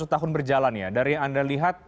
sepuluh tahun berjalan ya dari yang anda lihat